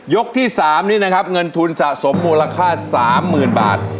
ที่๓นี้นะครับเงินทุนสะสมมูลค่า๓๐๐๐บาท